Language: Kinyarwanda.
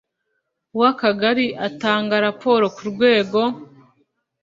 w Akagari atanga raporo ku rwego